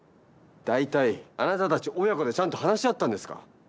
大体あなたたち親子でちゃんと話し合ったんですか？